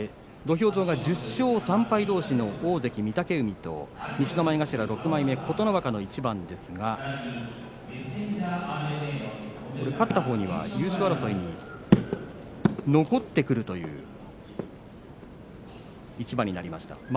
土俵は１０勝３敗どうしの大関御嶽海と西の前頭６枚目琴ノ若の一番ですが勝ったほうには優勝争いに残ってくるという一番になりました。